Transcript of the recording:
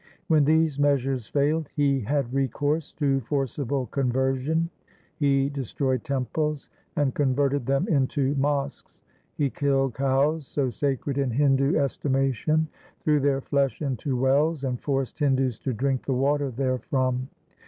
When these mea sures failed, he had recourse to forcible conversion. He destroyed temples and converted them into mosques. He killed cows, so sacred in Hindu estima tion, threw their flesh into wells, and forced Hindus to drink the water therefrom.